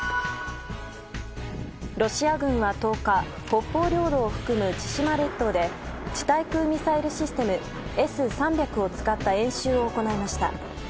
ロシア軍は１０日北方領土を含む千島列島で地対空ミサイルシステムＳ３００を使った演習を行いました。